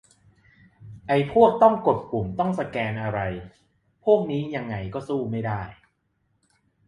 ไอ้พวกต้องกดปุ่ม ต้องสแกน อะไรพวกนี้ยังไงก็สู้ไม่ได้